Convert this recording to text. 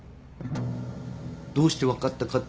どうして分かったかっていうと。